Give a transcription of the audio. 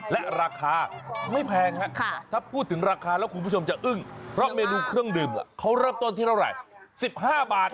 และราคาไม่แพงครับถ้าพูดถึงราคาแล้วคุณผู้ชมจะอึ้งเพราะเมนูเครื่องดื่มเขาเริ่มต้นที่เท่าไหร่๑๕บาท